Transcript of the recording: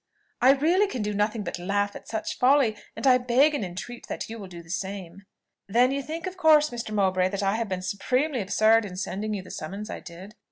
"I really can do nothing but laugh at such folly, and I beg and entreat that you will do the same." "Then you think, of course, Mr. Mowbray, that I have been supremely absurd in sending you the summons I did?"